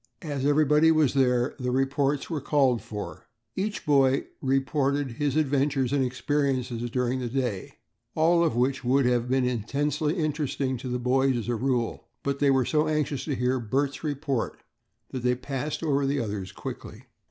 As everybody was there, the reports were called for. Every boy reported his adventures and experiences during the day; all of which would have been intensely interesting to the boys as a rule, but they were so anxious to hear Bert's report that they passed over the others rapidly.